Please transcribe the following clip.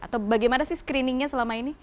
atau bagaimana sih screeningnya selama ini